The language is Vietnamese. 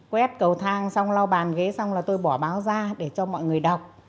quét cầu thang xong lau bàn ghế xong là tôi bỏ báo ra để cho mọi người đọc